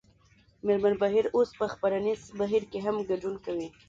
مېرمن بهیر اوس په خپرنیز بهیر کې هم ګډون کوي